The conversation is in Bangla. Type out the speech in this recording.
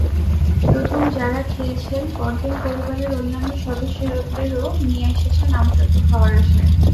প্রথম যারা খেয়েছেন পরদিন পরিবারের অন্যান্য সদস্যদেরও নিয়ে এসেছেন আমসত্ত্ব খাওয়ার আশায়।